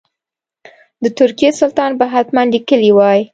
د ترکیې سلطان به حتما لیکلي وای.